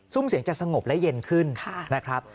ุ่มเสียงจะสงบและเย็นขึ้นนะครับ